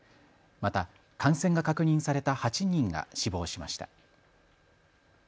また感染が確認された８人が死亡しました。